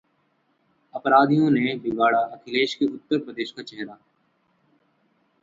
अपराधियों ने बिगाड़ा अखिलेश के उत्तर प्रदेश का चेहरा